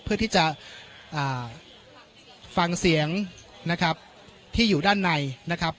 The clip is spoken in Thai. เพื่อที่จะฟังเสียงนะครับที่อยู่ด้านในนะครับ